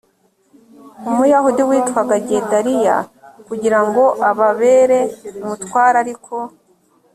umuyahudi witwaga gedaliya kugira ngo ababere umutware ariko